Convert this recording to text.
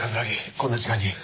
こんな時間に。